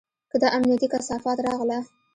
که دا امنيتي کثافات راغله.